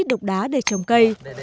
đục đá để trồng cây